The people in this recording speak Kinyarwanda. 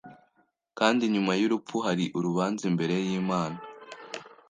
kandi nyuma yurupfu hari urubanza imbere yimana